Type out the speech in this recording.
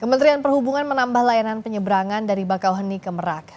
kementerian perhubungan menambah layanan penyeberangan dari bakauheni ke merak